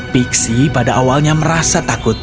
pixi pada awalnya merasa takut